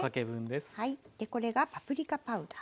でこれがパプリカパウダー。